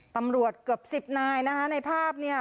ตำรวจเกือบสิบนายนะคะในภาพเนี่ย